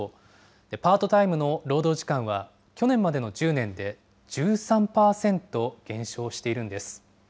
パートタイムの労働時間は、去年までの１０年で、１３％減少しているんです。